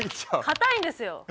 かたいんですよ。